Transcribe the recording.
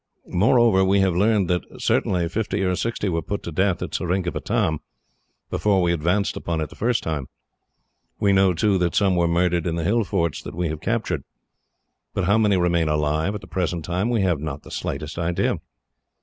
Moreover, we have learned that certainly fifty or sixty were put to death, at Seringapatam, before we advanced upon it the first time. We know, too, that some were murdered in the hill forts that we have captured. But how many remain alive, at the present time, we have not the slightest idea.